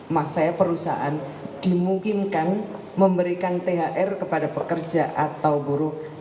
masa perusahaan dimungkinkan memberikan thr kepada pekerja atau buruh